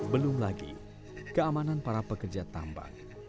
belum lagi keamanan para pekerja tambang